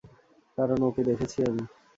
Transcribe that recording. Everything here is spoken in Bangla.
কারণ, ওকে দেখেছি আমি!